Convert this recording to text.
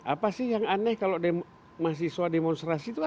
apa sih yang aneh kalau mahasiswa demonstrasi itu